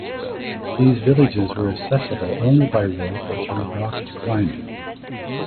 These villages were accessible only by rope or through rock climbing.